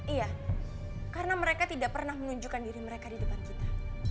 iya karena mereka tidak pernah menunjukkan diri mereka di depan kita